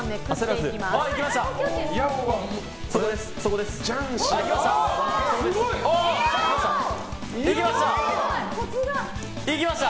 いきました！